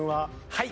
はい。